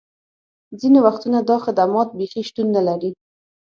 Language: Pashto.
ځینې وختونه دا خدمات بیخي شتون نه لري